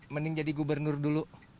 mending jadi gubernur dulu